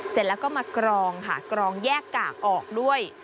เสร็จแล้วก็มากรองค่ะกรองแยกกากออกด้วย